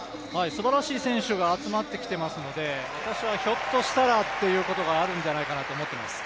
すばらしい選手が集まってきてますので私はひょっとしたらということがあるんじゃないかと思ってます。